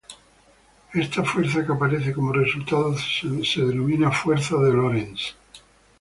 Esta fuerza que aparece como resultado se denomina fuerza de Lorentz.